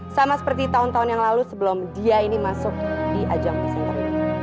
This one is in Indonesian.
sama seperti tahun tahun yang lalu sebelum dia ini masuk di ajang presenter